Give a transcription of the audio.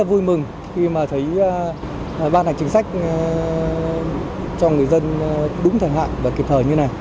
vui mừng khi mà thấy ban hành chính sách cho người dân đúng thời hạn và kịp thời như này